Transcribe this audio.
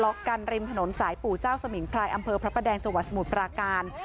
กันริมถนนสายปู่เจ้าสมิงพรายอำเภอพระประแดงจังหวัดสมุทรปราการ